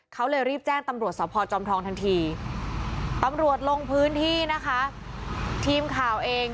เขาเลยรีบแจ้งตำรวจสะพอร์จอมทองทันทีตำรวจลงพื้นที่นะคะ